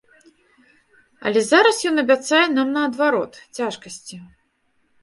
Але зараз ён абяцае нам, наадварот, цяжкасці.